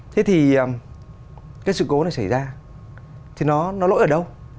thế thì cái sự cố này xảy ra thì nó lỗi ở đâu